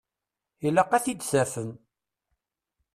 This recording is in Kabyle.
Ilaq ad t-id-tafem.